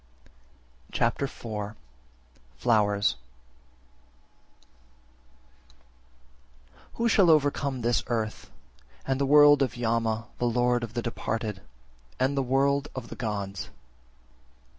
Chapter IV. Flowers 44. Who shall overcome this earth, and the world of Yama (the lord of the departed), and the world of the gods?